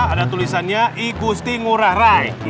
ada tulisannya iguz dhing murah rai